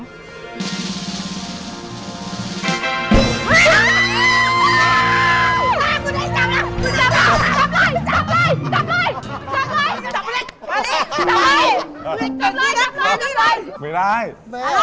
กูได้จับแล้ว